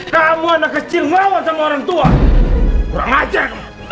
kamu anak kecil ngawan sama orang tua kurang aja kamu